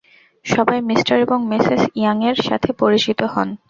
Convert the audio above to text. সবাই মিঃ এবং মিসেস ইয়াংয়ের সাথে পরিচিত হোন।